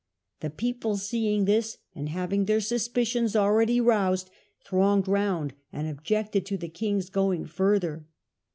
The people seeing this, and having their suspicions already roused, thronged round and objected to the king^s going further.